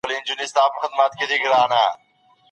د ښوونځیو په ودانیو کي د اوبو د ذخیره کولو امکانات نه وو.